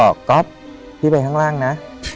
ก๊อฟพี่ไปข้างล่างนะ